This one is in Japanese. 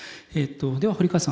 では堀川さん